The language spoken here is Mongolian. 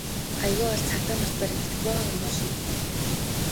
Аягүй бол цагдаа нарт баригдаж бөөн юм болно.